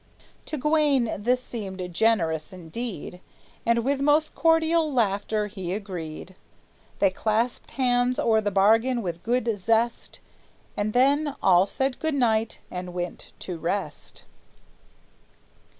To Gawayne this seemed generous indeed. And with most cordial laughter he agreed. They clasped hands o'er the bargain with good zest, And then all said good night, and went to rest.